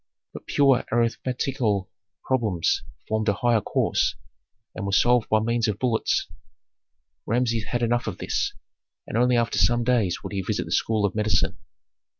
But pure arithmetical problems formed a higher course, and were solved by means of bullets. Rameses had enough of this, and only after some days would he visit the school of medicine.